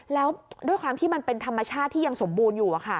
แล้วด้วยความที่มันเป็นธรรมชาติที่ยังสมบูรณ์อยู่